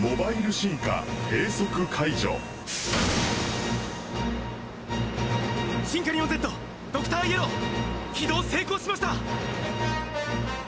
シンカリオンＺドクターイエロー起動成功しました！